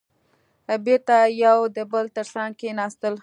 بېرته يو د بل تر څنګ کېناستل.